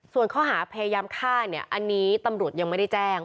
ส่วนข้อหาพยายามฆ่าเนี่ยอันนี้ตำรวจยังไม่ได้แจ้ง